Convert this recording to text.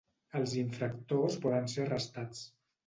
Els infractors poden ser arrestats.